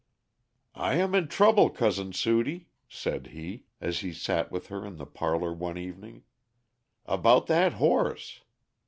"I am in trouble, Cousin Sudie," said he, as he sat with her in the parlor one evening, "about that horse.